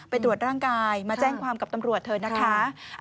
ตรวจร่างกายมาแจ้งความกับตำรวจเถอะนะคะ